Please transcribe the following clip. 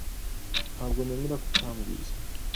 Ntabwo nemera ko utambwiye.